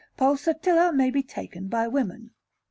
Pulsatilla may be taken by women.